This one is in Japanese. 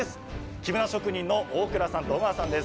黄ぶな職人の大倉さんと小川さんです。